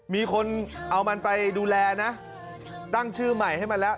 มีคนเอามันไปดูแลนะตั้งชื่อใหม่ให้มันแล้ว